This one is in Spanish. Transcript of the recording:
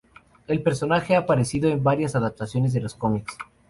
El personaje ha aparecido en varias adaptaciones de los cómics.